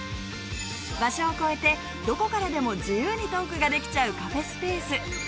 場所を越えてどこからでも自由にトークができちゃうカフェスペース。